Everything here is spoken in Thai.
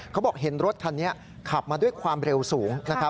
เขาบอกเห็นรถคันนี้ขับมาด้วยความเร็วสูง